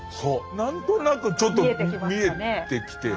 何となくちょっと見えてきて。